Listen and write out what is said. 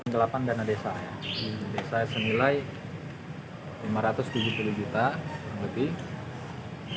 kelapan dana desa desa yang senilai lima ratus tujuh puluh juta lebih